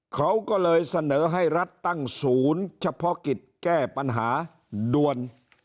เขาก็เลยเสนอให้รัฐตั้งศูนย์เฉพาะกิจแก้ปัญหาด่วน